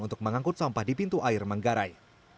untuk mengangkut sampah di pintu air manggarai